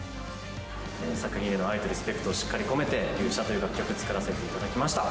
作品への愛とリスペクトをしっかり込めて、勇者という楽曲、作らせていただきました。